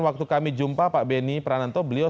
waktu kami jumpa pak beni prananto beliau